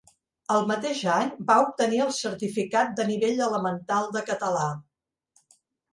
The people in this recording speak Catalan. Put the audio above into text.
El mateix any va obtenir el certificat de nivell elemental de català.